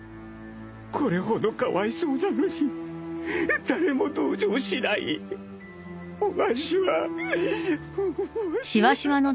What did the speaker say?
これほどかわいそうなのに誰も同情しないわしはわしは。